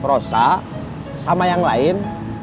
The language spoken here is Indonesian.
kamu rosa sama yang lain